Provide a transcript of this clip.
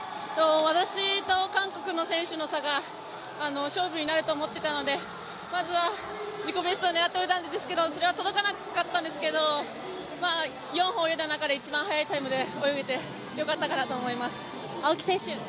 私と韓国の選手の差が勝負になると思っていたのでまずは自己ベスト狙ったんですけどそれは届かなかったんですけど４本泳いだ中で一番速いタイムで泳げてよかったかなと思います。